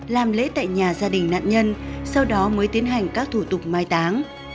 làm lễ tại nhà gia đình nạn nhân sau đó mới tiến hành các thủ tục mai táng